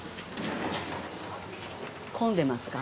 混んでますか？